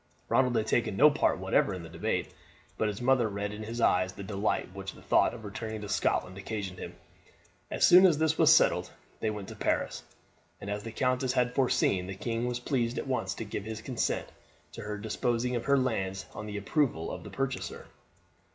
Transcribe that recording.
Ronald had taken no part whatever in the debate, but his mother read in his eyes the delight which the thought of returning to Scotland occasioned him. As soon as this was settled they went to Paris, and as the countess had foreseen, the king was pleased at once to give his consent to her disposing of her lands on his approval of the purchaser.